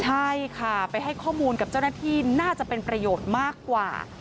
ใช่ค่ะไปให้ข้อมูลกับเจ้าหน้าที่น่าจะเป็นประโยชน์มากกว่า